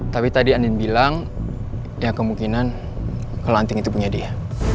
tapi tadi andin bilang ya kemungkinan kelanting itu punya dia